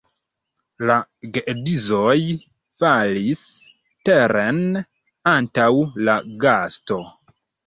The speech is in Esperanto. La geedzoj falis teren antaŭ la gasto.